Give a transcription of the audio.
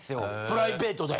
プライベートで？